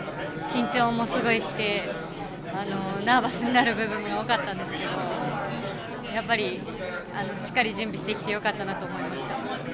緊張も、すごいしてナーバスになる部分も多かったですがやっぱりしっかり準備してきてよかったなと思いました。